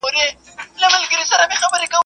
ځینې پروګرامونه ډېر مشهور کېږي